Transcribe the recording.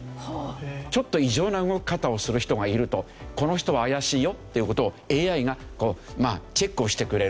ちょっと異常な動き方をする人がいるとこの人は怪しいよっていう事をＡＩがチェックをしてくれる。